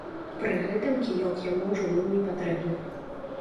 Пры гэтым кіёк яму ўжо быў непатрэбны.